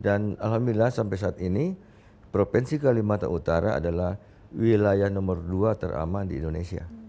dan alhamdulillah sampai saat ini provinsi kelimatan utara adalah wilayah nomor dua teraman di indonesia